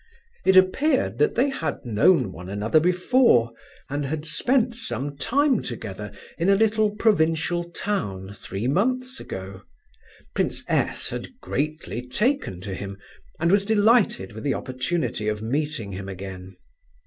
It appeared that they had known one another before, and had spent some time together in a little provincial town three months ago. Prince S. had greatly taken to him, and was delighted with the opportunity of meeting him again.